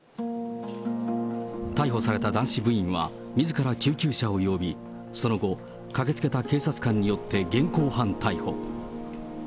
逮捕された男子部員は、みずから救急車を呼び、その後、駆けつけた警察官によって現行犯逮捕。